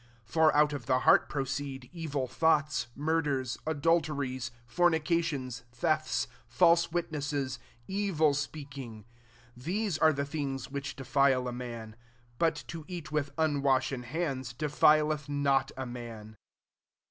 19 For out of the heart proceed evil thoughts, murders, adulteries, fornications, thefts, false wit nesses, evil speaking. 20 These are the things which defile a man : but to eat with unwashen hands defileth not a man."